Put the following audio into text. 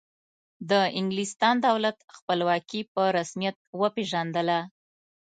د انګلستان دولت خپلواکي په رسمیت وپیژندله.